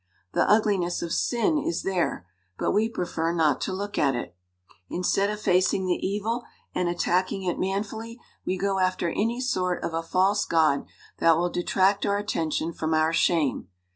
The ugliness of sin is there, but we prefer not to look at it. Instead of facing the evil and attacking it manfully we go after any sort of a false god that will detract our attention from our shame.